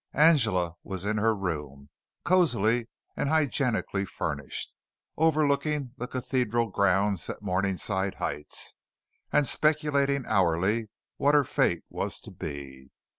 Angela was in her room, cosily and hygienically furnished, overlooking the cathedral grounds at Morningside Heights, and speculating hourly what her fate was to be.